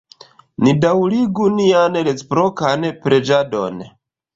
Ni daŭrigu nian reciprokan preĝadon.